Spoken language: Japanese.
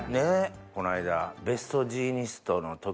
この間。